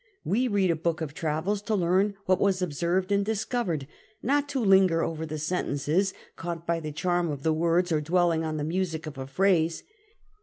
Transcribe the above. Wo read a book of travels to learn what was observed and discovered, not to linger over the sentences, caught by the charm of the words and dwelling on the music of a phrase.